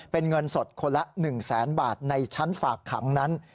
เป็นเงินสดคนละ๑แสนบาทในชั้นฝากขังนั้น